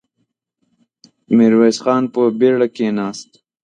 ميرويس خان په بېړه کېناست.